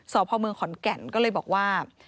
สพเมืองขอนแก่นก็เลยบอกว่า